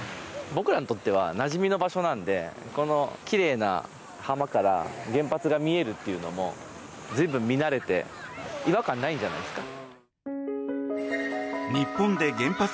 僕らにとってはなじみの場所なのできれいな浜から原発が見えるというのもずいぶん見慣れて違和感ないんじゃないですか。